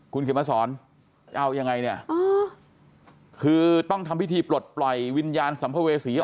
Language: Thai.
คุณเขียนมาสอนเอายังไงเนี่ยคือต้องทำพิธีปลดปล่อยวิญญาณสัมภเวษี